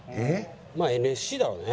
まあＮＳＣだろうね。